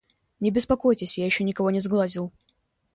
Не беспокойтесь, я еще никого не сглазил.